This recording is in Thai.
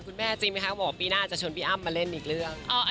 คุณแม่จริงไหมคะบอกว่าปีหน้าจะชวนพี่อ้ำมาเล่นอีกเรื่อง